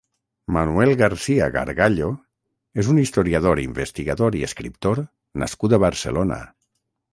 Manuel García Gargallo és un historiador, investigador i escriptor nascut a Barcelona.